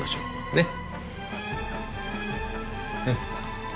ねっ。